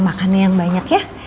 makannya yang banyak ya